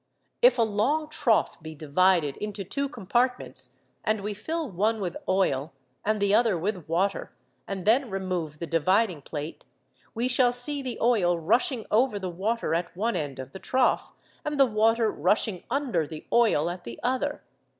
If a long trough be divided into two compartments, and we fill one with oil and the other with water, and then remove the dividing plate, we shall see the oil rushing over the water at one end of the trough, and the water rushing under the oil at the other.